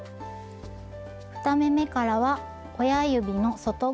２目めからは親指の外側の糸